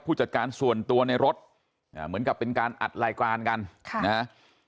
จัดการส่วนตัวในรถเหมือนกับเป็นการอัดรายการกันค่ะนะฮะ